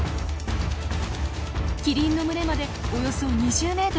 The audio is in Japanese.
キリンの群れまでおよそ２０メートル。